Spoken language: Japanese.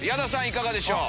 いかがでしょう？